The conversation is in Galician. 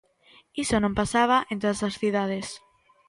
Iso non pasaba en todas as cidades.